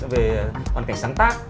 về hoàn cảnh sáng tác